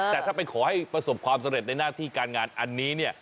แต่ถ้าไปขอให้ประสบความสำเร็จในหน้าที่การงานอันนี้เนี่ย